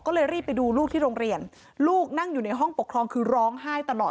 ก็เลยรีบไปดูลูกที่โรงเรียนลูกนั่งอยู่ในห้องปกครองคือร้องไห้ตลอด